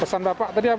pesan bapak tadi apa bu